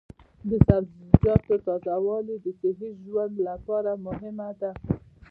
د سبزیجاتو تازه والي د صحي ژوند لپاره مهمه ده.